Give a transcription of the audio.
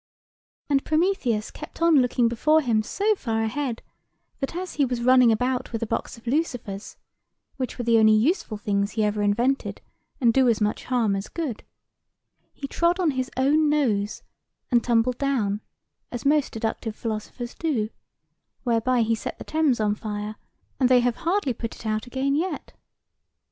"And Prometheus kept on looking before him so far ahead, that as he was running about with a box of lucifers (which were the only useful things he ever invented, and do as much harm as good), he trod on his own nose, and tumbled down (as most deductive philosophers do), whereby he set the Thames on fire; and they have hardly put it out again yet.